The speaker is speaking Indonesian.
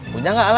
punya gak alatnya